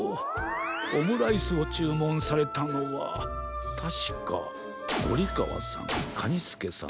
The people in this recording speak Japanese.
オムライスをちゅうもんされたのはたしかゴリかわさんカニスケさん